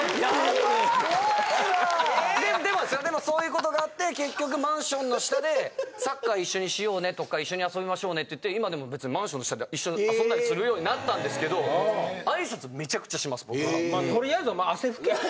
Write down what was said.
・怖いわ・でもそういうことがあって結局マンションの下でサッカー一緒にしようねとか一緒に遊びましょうねって言って今でもマンションの下で一緒に遊んだりするようになったんですけど挨拶めちゃくちゃします僕は。